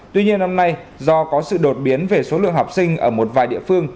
tuy nhiên năm nay do có sự đột biến về số lượng học sinh ở một vài địa phương